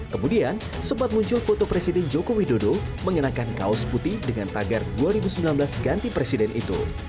kemudian sempat muncul foto presiden joko widodo mengenakan kaos putih dengan tagar dua ribu sembilan belas ganti presiden itu